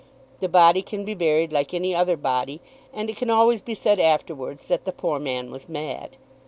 The body can be buried like any other body, and it can always be said afterwards that the poor man was mad.